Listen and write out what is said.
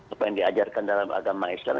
apa yang diajarkan dalam agama islam